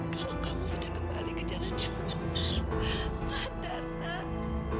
kalau kamu sudah kembali ke jalan yang menurut sadar nak